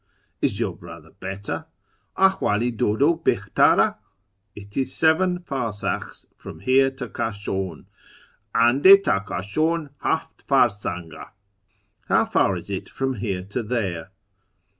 Is your brother better ?— Aliv:dl i dudu hihtar d ? It is seven farsakhs from here to Kashan — And6 td Kdshdn haft farsangd. How far is it from here to there